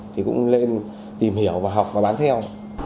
thì cũng lên tìm hiểu và học và bán theo